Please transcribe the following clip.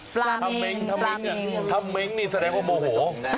ปลาเม้งนี่แสดงว่าโมโห